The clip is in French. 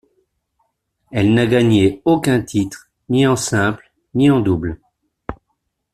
Elle n'a gagné aucun titre, ni en simple, ni en double.